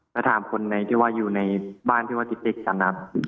ไปถามคนไหนที่ว่าอยู่ในบ้านที่ว่าติ๊กติ๊กกันนะครับ